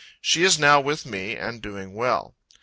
She is now with me, and doing well.